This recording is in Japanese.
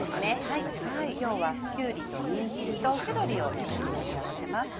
はい今日はきゅうりとにんじんとセロリを一緒に盛り合わせます。